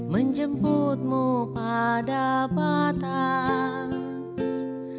menjemputmu pada batas